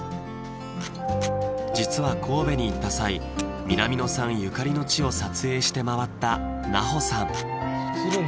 実は神戸に行った際南野さんゆかりの地を撮影して回った奈穂さん